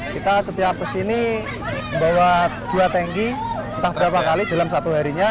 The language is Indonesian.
kita setiap kesini membawa dua tanki entah berapa kali dalam satu harinya